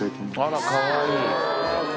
あら、かわいい。